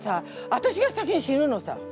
私が先に死ぬのさ。